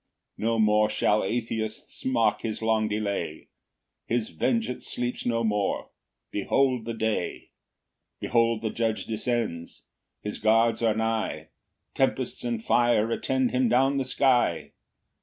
2 No more shall atheists mock his long delay; His vengeance sleeps no more; behold the day; Behold the Judge descends; his guards are nigh; Tempests and fire attend him down the sky.